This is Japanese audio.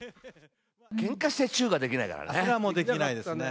けんかしてチューができないからね。